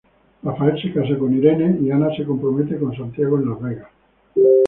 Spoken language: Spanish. Rafael se casa con Irene y Ana se compromete con Santiago en Las Vegas.